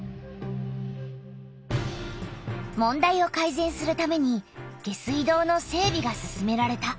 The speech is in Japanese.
問題をかいぜんするために下水道の整びが進められた。